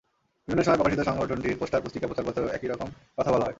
বিভিন্ন সময়ে প্রকাশিত সংগঠনটির পোস্টার, পুস্তিকা, প্রচারপত্রেও একই রকম কথা বলা হয়।